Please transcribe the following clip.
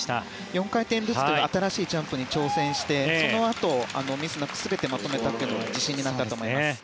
４回転ルッツという新しいジャンプに挑戦して、そのあとミスなく全てまとめたのは自信になったと思います。